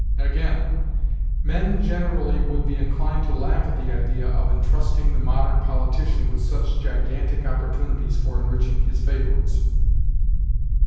Again: "Men generally ... would be inclined to laugh at the idea of intrusting the modern politician with such gigantic opportunities for enriching his favorites."